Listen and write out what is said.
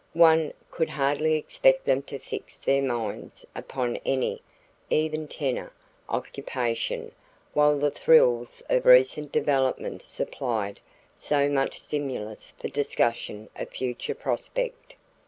One could hardly expect them to fix their minds upon any "even tenor" occupation while the thrills of recent developments supplied so much stimulus for discussion of future prospect.